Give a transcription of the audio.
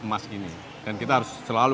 emas ini dan kita harus selalu